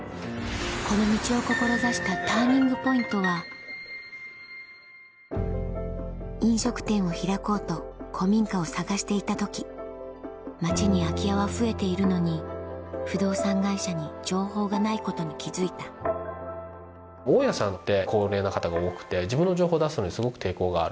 この道を志したＴＵＲＮＩＮＧＰＯＩＮＴは飲食店を開こうと古民家を探していた時町に空き家は増えているのに不動産会社に情報がないことに気付いた大家さんって高齢な方が多くて自分の情報出すのにすごく抵抗がある。